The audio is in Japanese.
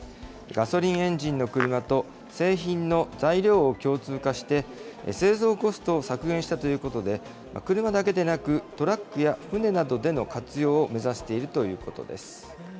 ガソリンエンジンの車と製品の材料を共通化して、製造コストを削減したということで、車だけでなく、トラックや船などでの活用を目指しているということです。